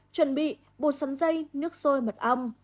chuẩn bị bột sắn dây nước sôi mật ong